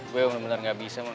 gue bener bener nggak bisa man